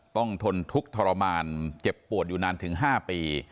ทนทุกข์ทรมานเจ็บปวดอยู่นานถึง๕ปี